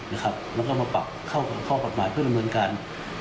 แล้วก็มาปรับเข้าข้อกฎหมายเพื่อดำเนินการ